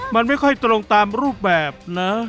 มันไม่ค่อยตรงตามรูปแบบนะ